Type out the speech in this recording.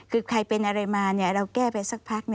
คือใครเป็นอะไรมาเราแก้ไปสักพัก